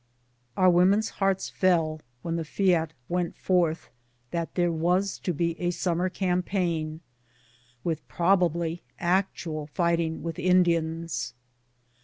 OuB women's hearts fell when the fiat went forth tliat there was to be a summer campaign, with probably actual fighting with Indians.